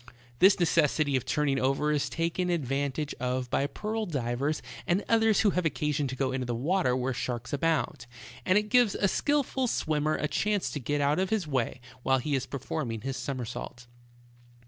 This necessity of turning over is taken advantage of by pearl divers and others who have occasion to go into the water where sharks abound, and it gives a skillful swimmer a chance to get out of his way while he is performing his somersault.